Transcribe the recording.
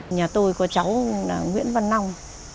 nhà tôi có cháu nguyễn văn nong